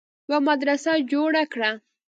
يوه مدرسه جوړه کړه